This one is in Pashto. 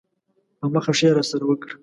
په مخه ښې یې راسره وکړه.